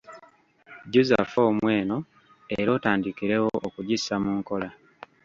jjuza ffoomu eno era otandikirewo okugissa mu nkola